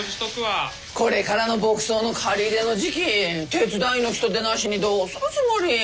これからの牧草の刈り入れの時期手伝いの人手なしにどうするつもり？